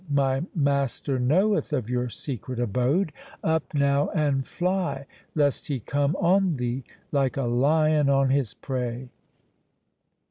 my master knoweth of your secret abode—up now, and fly, lest he come on thee like a lion on his prey.